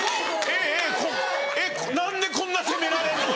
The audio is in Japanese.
えっ何でこんな責められるの？